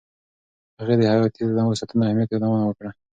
هغې د حیاتي تنوع ساتنې اهمیت یادونه وکړه.